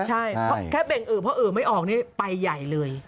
ใช่เพราะแค่เบ่งอือเพราะอือไม่ออกนี่ไปใหญ่เลย